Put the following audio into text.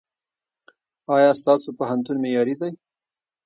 ایا ستاسو پوهنتون معیاري دی؟